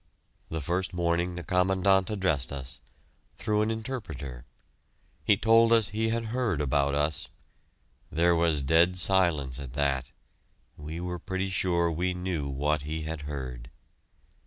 The first morning the Commandant addressed us, through an interpreter. He told us he had heard about us. There was dead silence at that; we were pretty sure we knew what he had heard.